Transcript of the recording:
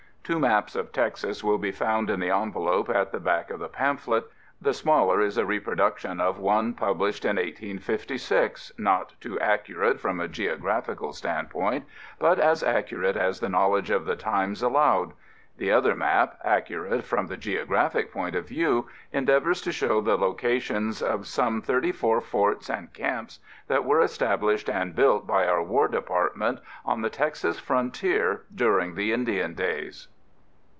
Two maps of Texas will be found in the envelope at the back of the pamphlet. The smaller is a reproduction of one published in 1856, not too accurate from a geographic standpoint, but as accurate as the knowledge of the times allowed. The other map, accurate from the geographic point of view, endeavors to show the locations of some thirty four forts and camps that were established and built by our War Department on the Texas Frontier during the Indian days.